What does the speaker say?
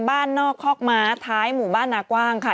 บ้านนอกคอกม้าท้ายหมู่บ้านนากว้างค่ะ